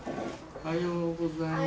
おはようございます。